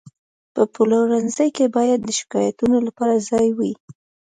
په پلورنځي کې باید د شکایاتو لپاره ځای وي.